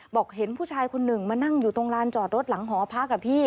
บอกเห็นผู้ชายคนหนึ่งมานั่งอยู่ตรงลานจอดรถหลังหอพักอ่ะพี่